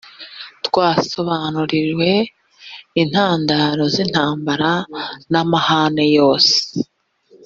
twasobanuriwe intandaro z’intambara n’amahane yose.